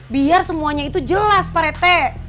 biar semuanya itu jelas pak rete